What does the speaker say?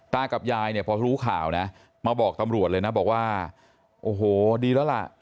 กับยายเนี่ยพอรู้ข่าวนะมาบอกตำรวจเลยนะบอกว่าโอ้โหดีแล้วล่ะ